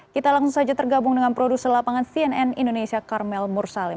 kita langsung saja tergabung dengan produser lapangan cnn indonesia karmel mursalim